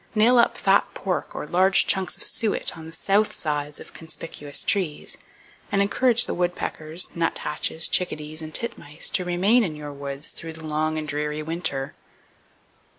Nail up fat pork, or large chunks of suet, on the south sides of conspicuous trees, and encourage the woodpeckers, nuthatches, chickadees and titmice to remain in your woods through the long and dreary winter.